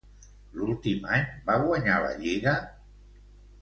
L'últim any va guanyar la Lliga?